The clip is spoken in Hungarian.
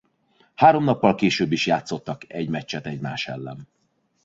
Három nappal később is játszottak egy meccset egymás ellen.